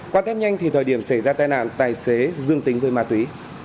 qua test nhanh thì thời điểm xảy ra tai nạn tài xế dương tính với ma túy